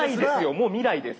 もう未来です。